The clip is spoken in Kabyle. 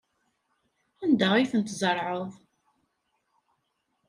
Anda ay ten-tzerɛeḍ?